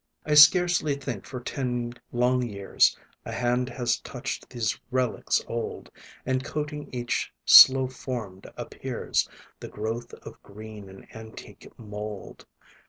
I scarcely think, for ten long years, A hand has touched these relics old; And, coating each, slow formed, appears The growth of green and antique mould.